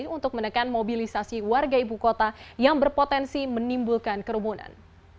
untuk menekan mobilisasi warga ibu kota yang berpotensi menimbulkan kerumunan